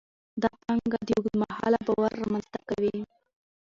دا پانګه د اوږد مهاله باور رامینځته کوي.